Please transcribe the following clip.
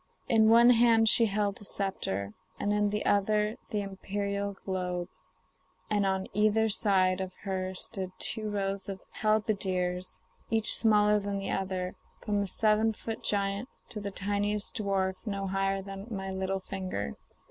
In one hand she held a sceptre, and in the other the imperial globe, and on either side of her stood two rows of halberdiers, each smaller than the other, from a seven foot giant to the tiniest little dwarf no higher than my little finger.